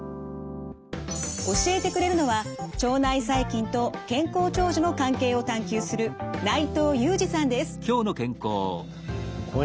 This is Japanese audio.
教えてくれるのは腸内細菌と健康長寿の関係を探究する内藤裕二さんです。